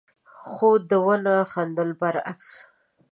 خو ده ونه خندل، برعکس،